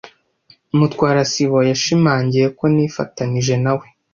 Mutwara sibo yashimangiye ko nifatanije na we.